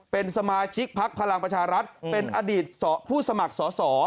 เป็นสมาชิกพักพลังประชารัฐเป็นอดีตผู้สมัครสอสอ